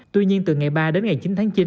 tuy nhiên từ ngày ba đến ngày chín tháng chín